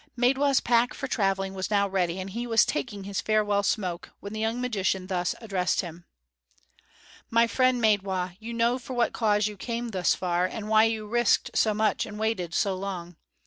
Maidwa's pack for traveling was now ready, and he was taking his farewell smoke, when the young magician thus addressed him: "My friend Maidwa, you know for what cause you came thus far, and why you have risked so much and waited so long.